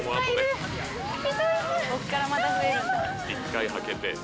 １回はけて。